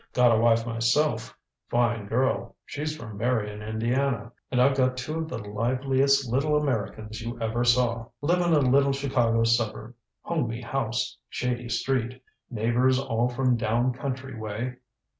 Got a wife myself fine girl she's from Marion, Indiana. And I've got two of the liveliest little Americans you ever saw. Live in a little Chicago suburb homey house, shady street, neighbors all from down country way.